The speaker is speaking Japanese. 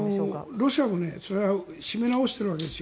ロシアも締め直しているわけですよ。